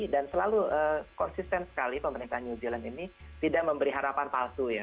dan selalu konsisten sekali pemerintahan new zealand ini tidak memberi harapan palsu ya